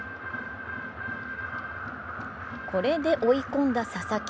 これで追い込んだ佐々木。